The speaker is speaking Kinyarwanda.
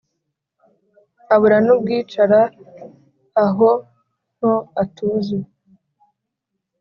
Abura n'ubwicara aho nto atuze